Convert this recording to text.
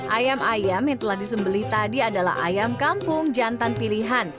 ayam ayam yang telah disembeli tadi adalah ayam kampung jantan pilihan